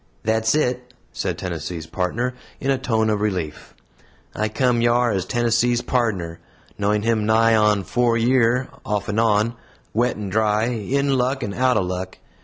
"Thet's it," said Tennessee's Partner, in a tone of relief. "I come yar as Tennessee's pardner knowing him nigh on four year, off and on, wet and dry, in luck and out o' luck.